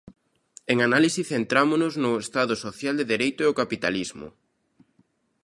En Análise, centrámonos no estado social de dereito e o capitalismo.